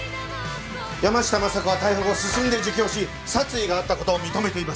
山下昌子は逮捕後進んで自供し殺意があった事を認めています。